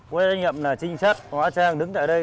phát nhiệm là trinh sát hóa trang đứng tại đây